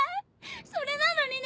それなのにね